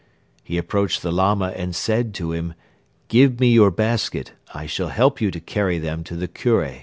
He approached the Lama and said to him: "'Give me your basket. I shall help you to carry them to the Kure.